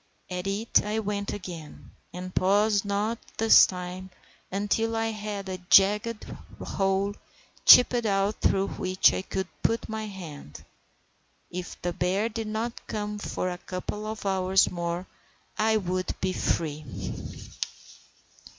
At it I went again, and paused not this time until I had a jagged hole chipped out through which I could put my hand. If the bear did not come for a couple of hours more I would be free.